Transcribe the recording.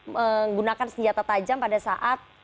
menggunakan senjata tajam pada saat